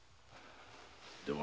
では